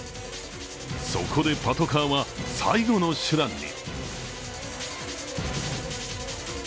そこでパトカーは最後の手段に。